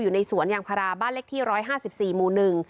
อยู่ในสวนยางพาราบ้านเล็กที่ร้อยห้าสิบสี่หมู่หนึ่ง